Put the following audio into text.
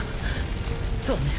そうね。